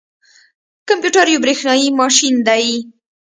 کمپيوټر یو بریښنايي ماشین دی